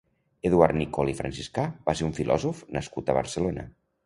Eduard Nicol i Franciscà va ser un filòsof nascut a Barcelona.